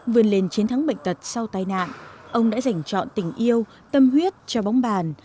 vươn lên chiến thắng bệnh tật sau tai nạn ông đã giành chọn tình yêu tâm huyết cho bóng bàn